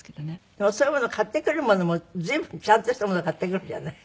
でもそういうもの買ってくるものも随分ちゃんとしたもの買ってくるんじゃない？